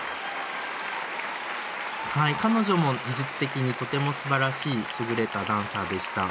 彼女も技術的にとてもすばらしい優れたダンサーでした。